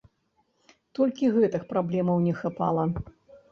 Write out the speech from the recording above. Толькі гэтых праблемаў не хапала.